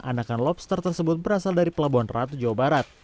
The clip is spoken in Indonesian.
anakan lobster tersebut berasal dari pelabuhan ratu jawa barat